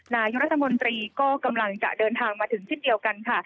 นายกรัฐมนตรีก็กำลังจะเดินทางมาถึงเช่นเดียวกันค่ะ